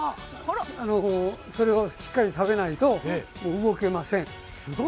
それをしっかり食べないと動けません。